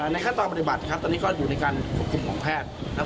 ในขั้นตอนปฏิบัติครับตอนนี้ก็อยู่ในการควบคุมของแพทย์นะครับ